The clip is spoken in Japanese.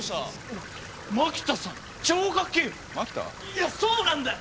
いやそうなんだよ！